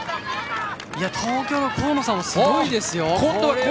東京の河野さんもすごいです。